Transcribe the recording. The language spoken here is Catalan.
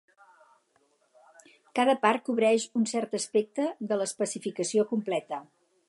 Cada part cobreix un cert aspecte de l'especificació completa.